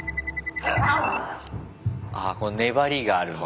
ああこの粘りがあるんだ。